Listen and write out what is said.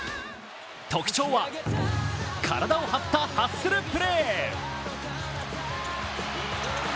特徴は体を張ったハッスルプレー。